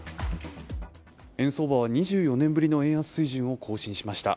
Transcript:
円相場は２４年ぶりの円安水準を更新しました。